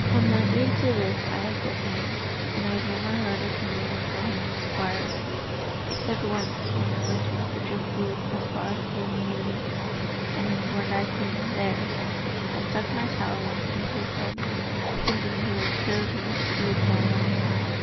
From that day to this I have been here, and I have never heard of the man for whom you inquire, except once when I went in search of food as far as Llyn Llyw. And when I came there, I stuck my talons into a salmon, thinking he would serve me as food for a long time.